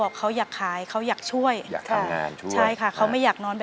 เปลี่ยนเพลงเก่งของคุณและข้ามผิดได้๑คำ